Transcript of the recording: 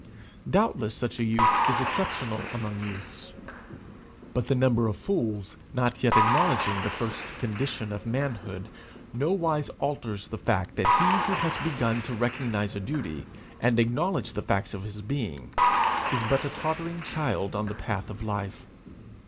Doubtless such a youth is exceptional among youths; but the number of fools not yet acknowledging the first condition of manhood nowise alters the fact that he who has begun to recognize duty, and acknowledge the facts of his being, is but a tottering child on the path of life.